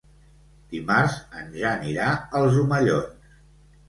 Dimarts en Jan irà als Omellons.